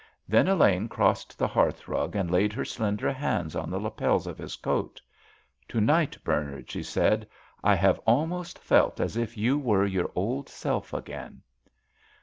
Then Elaine crossed the hearthrug and laid her slender hands on the lapels of his coat. "To night, Bernard," she said, "I have almost felt as if you were your old self again."